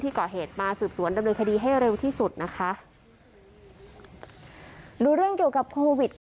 ก่อเหตุมาสืบสวนดำเนินคดีให้เร็วที่สุดนะคะดูเรื่องเกี่ยวกับโควิดค่ะ